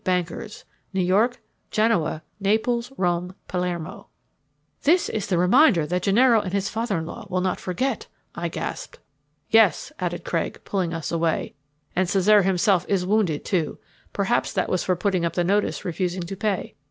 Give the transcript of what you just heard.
BANKERS NEW YORK, GENOA, NAPLES, ROME, PALERMO "This is the reminder so that Gennaro and his father in law will not forget," I gasped. "Yes," added Craig, pulling us away, "and Cesare himself is wounded, too. Perhaps that was for putting up the notice refusing to pay.